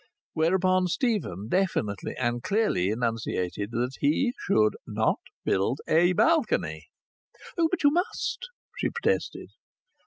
Whereupon Stephen definitely and clearly enunciated that he should not build a balcony. "Oh, but you must!" she protested.